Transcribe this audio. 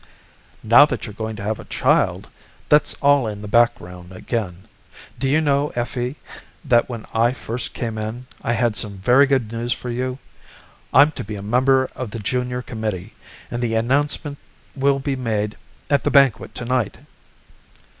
"Now that you're going to have a child, that's all in the background again. Do you know, Effie, that when I first came in, I had some very good news for you? I'm to become a member of the Junior Committee and the announcement will be made at the banquet tonight."